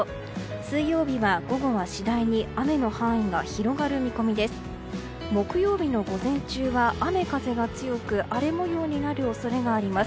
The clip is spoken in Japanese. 水曜日は午後は次第に雨の範囲が広がる見込みです。